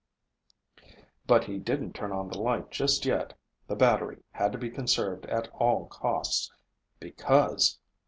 But he didn't turn on the light just yet. The battery had to be conserved at all costs. Because....